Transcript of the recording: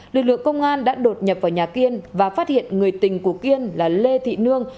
lực lượng công an đã đột nhập vào nhà kiên và phát hiện người tình của kiên là lê thị nương